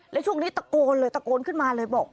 แล้วช่วงนี้ตะโกนเลยตะโกนขึ้นมาเลยบอก